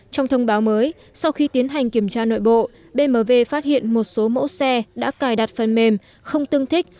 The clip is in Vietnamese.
trong thông báo mới sau khi tiến hành kiểm tra nội bộ bmv phát hiện một số mẫu xe đã cài đặt phần mềm không tương thích